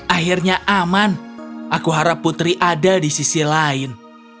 akhirnya aman aku harap putri ada di sisi lain